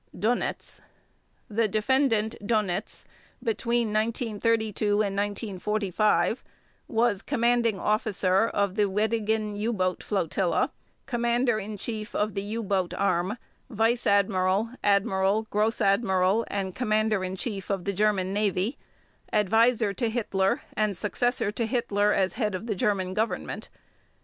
DÖNITZ: The Defendant DÖNITZ between 1932 and 1945 was: Commanding Officer of the Weddigen U boat flotilla, Commander in Chief of the U boat arm, Vice Admiral, Admiral, Grossadmiral and Commander in Chief of the German Navy, Advisor to Hitler, and Successor to Hitler as head of the German Government.